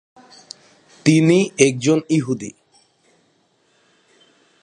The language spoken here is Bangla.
তিনি একজন ইহুদি।